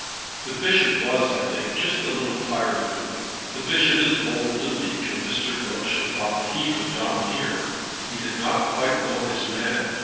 "The Bishop was, I think, just a little tired of him. The Bishop is old and meek, and Mr. Groschut thought that he could domineer. He did not quite know his man.